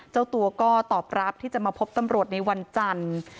เจ้าตัวก็ตอบรับที่จะมาพบตำรวจในวันจันทร์